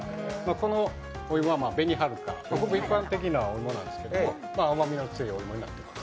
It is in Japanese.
この芋は紅はるか、一般的なお芋なんですけれども、甘みの強いお芋になっています。